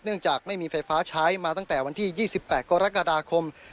จากไม่มีไฟฟ้าใช้มาตั้งแต่วันที่๒๘กรกฎาคม